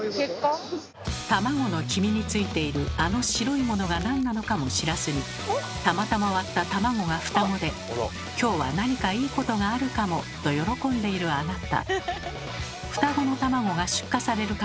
卵の黄身についているあの白いものがなんなのかも知らずにたまたま割った卵がふたごで「今日は何かいいことがあるかも！」と喜んでいるあなた。